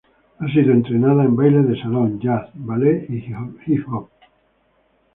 Ha sido entrenada en bailes de salón, jazz, ballet y hip-hop.